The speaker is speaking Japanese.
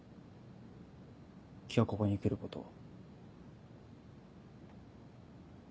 今日ここに来ることを。